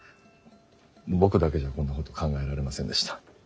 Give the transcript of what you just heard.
僕だけじゃこんなこと考えられませんでした。